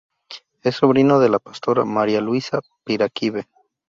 Es sobrino de la pastora María Luisa Piraquive.